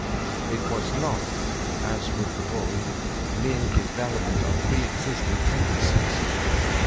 It was not, as with the boy, mere development of pre existing tendencies.